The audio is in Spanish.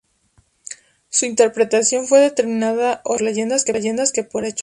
Su interpretación se determina hoy más por leyendas que por hechos.